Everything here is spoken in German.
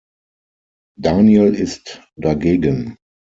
Daniel ist dagegen.